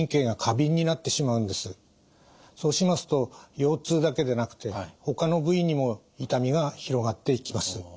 そうしますと腰痛だけでなくてほかの部位にも痛みが広がっていきます。